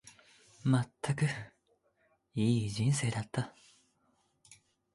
まったく、いい人生だった。